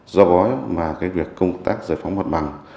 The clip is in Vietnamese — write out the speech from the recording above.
do bói mà việc công tác giải phóng mặt bằng